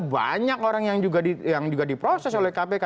banyak orang yang juga diproses oleh kpk